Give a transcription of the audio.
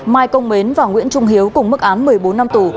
mai công mến và nguyễn trung hiếu cùng mức án một mươi bốn năm tù